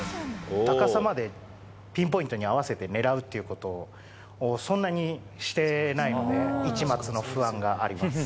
高さまでピンポイントに合わせて狙うっていうことを、そんなにしてないので、一抹の不安があります。